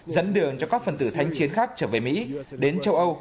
dẫn đường cho các phần tử thanh chiến khác trở về mỹ đến châu âu